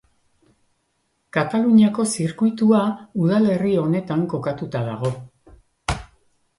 Kataluniako Zirkuitua udalerri honetan kokatuta dago.